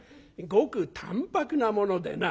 ごく淡泊なものでな」。